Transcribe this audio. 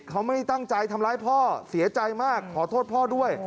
เขาไม่ได้ตั้งใจทำร้ายพ่อเสียใจมากขอโทษพ่อด้วย